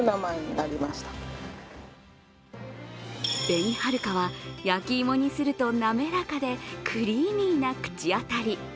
べにはるかは、焼き芋にすると滑らかでクリーミーな口当たり。